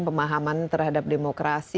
pemahaman terhadap demokrasi